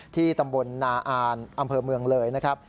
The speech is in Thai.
ตำบลนาอ่านอำเภอเมืองเลยนะครับ